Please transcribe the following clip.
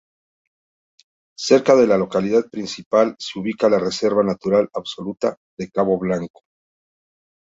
Cerca de la localidad principal se ubica la Reserva Natural Absoluta de Cabo Blanco.